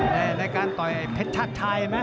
ในรายการต่อยไอ้เพชรชาติไทยไหม